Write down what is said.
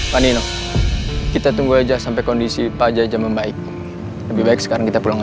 panik kita tunggu aja sampai kondisi pajak jam membaikstandu baik sekarang kita pulang aja